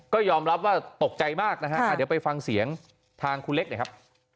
ก็ยอมรับว่าตกใจมากนะฮะเดี๋ยวไปฟังเสียงทางคุณเล็กหน่อยครับ